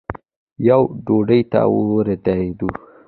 یوې ډډې ته ودرېدو.